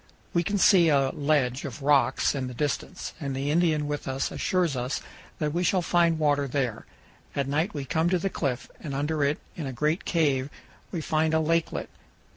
We can see a ledge of rocks in the distance, and the Indian with us assures us that we shall find water there. At night we come to the cliff, and under it, in a great cave, we find a lakelet.